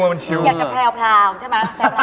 อยากจะแพลวใช่มะ